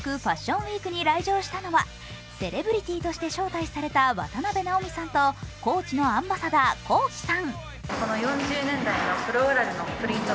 ウィークに来場したのはセレブリティーとして招待された渡辺直美さんとＣＯＡＣＨのアンバサダーＫｏｋｉ，さん。